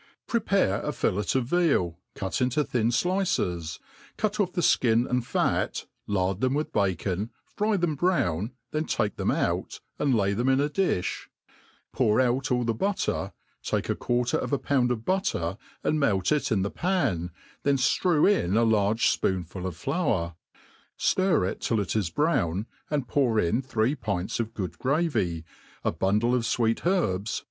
PREPARE a fillet of veal, cut into thin flices, cut off the flcin and fat, lard them with bacon, fry them brown, then takf them out, and lay them in a difh, pour out all the butter, take a quarter of a pound of butter and melt it in the pan, then Orew in a large fpoonful of flour; ftir it till it is brown, and pour in three pints of good gravy, a bundle of fvejtt herb^, '',, an4 MADE PLAIN AND EASY.